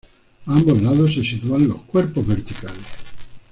A ambos lados se sitúan los cuerpos verticales.